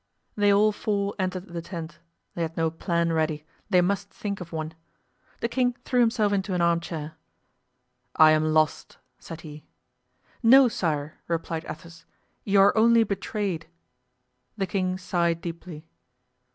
They all four entered the tent; they had no plan ready—they must think of one. The king threw himself into an arm chair. "I am lost," said he. "No, sire," replied Athos. "You are only betrayed." The king sighed deeply.